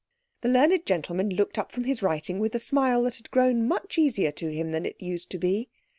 The learned gentleman looked up from his writing with the smile that had grown much easier to him than it used to be.